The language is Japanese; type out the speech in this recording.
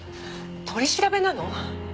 取り調べなの？